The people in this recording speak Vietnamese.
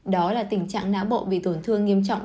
đó là tình trạng não bộ bị tổn thương nghiêm trọng